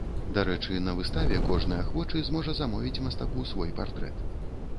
Дарэчы, на выставе кожны ахвочы зможа замовіць мастаку свой партрэт.